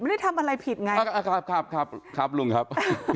ไม่ได้ทำอะไรผิดไงครับครับครับครับครับครับครับ